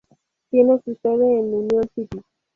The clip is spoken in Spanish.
Tiene su sede en Union City.